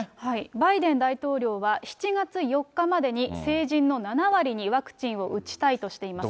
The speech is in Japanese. バイデン大統領は、７月４日までに、成人の７割にワクチンを打ちたいとしています。